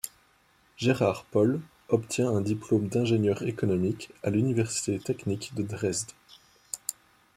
Gerhard Pohl obtient un diplôme d'ingénieur économique à l'université technique de Dresde.